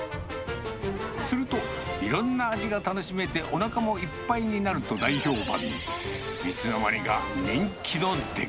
すると、いろんな味が楽しめておなかもいっぱいになると大評判。